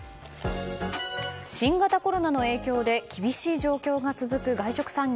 新型コロナの影響で厳しい状況が続く外食産業。